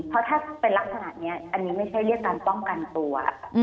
เพราะถ้าเป็นลักษณะนี้อันนี้ไม่ใช่เรียกการป้องกันตัว